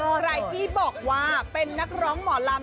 ใครที่บอกว่าเป็นนักร้องหมอลำ